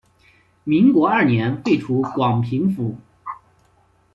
民国二年废除广平府。